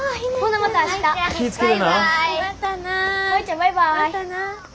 またな。